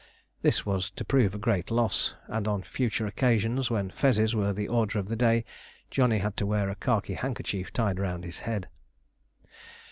This was to prove a great loss, and on future occasions when fezes were the order of the day, Johnny had to wear a khaki handkerchief tied round his head.